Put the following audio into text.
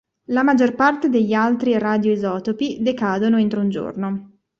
La maggior parte degli altri radioisotopi decadono entro un giorno.